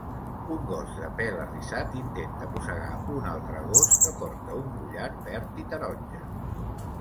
Un gos de pèl arrissat intenta mossegar un altre gos que porta un collar verd i taronja.